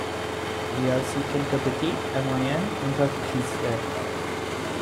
Il y a aussi quelques petites et moyennes entreprises.